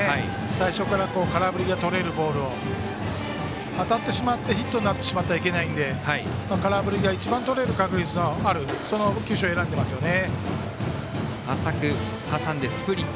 最初から空振りがとれるボールを当たってしまってヒットになってしまってはいけないので空振りが一番とれる確率のある球種を選んでますね。